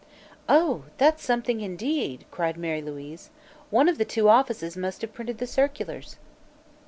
"Oh, that's something, indeed!" cried Mary Louise. "One of the two offices must have printed the circulars."